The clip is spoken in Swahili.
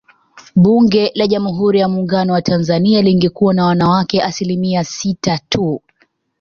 Bunge la Jamhuri ya Muungano wa Tanzania lingekuwa na wanawake asilimia sita tu